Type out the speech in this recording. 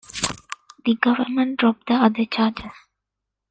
The government dropped the other charges.